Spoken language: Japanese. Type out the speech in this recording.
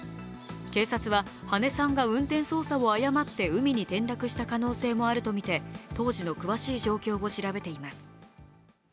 警察は、羽根さんが運転操作を誤って海に転落した可能性もあるとみて、当時の詳しい状況を調べています。